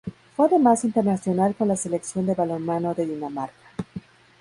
Fue además internacional con la Selección de balonmano de Dinamarca.